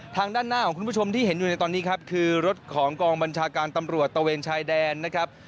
ทางด้านหน้าของคุณผู้ชมที่เห็นอยู่ในตอนนี้ครับคือรถของกองบัญชาการตำรวจตะเวนชายแดนนะครับ